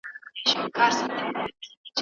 لوی بشري ځواک ته اړتیا لري.